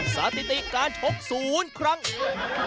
สถิติการชกศูนย์ครั้งอื่น